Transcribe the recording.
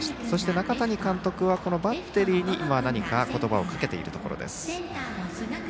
そして、中谷監督がバッテリーに何か言葉をかけているところ。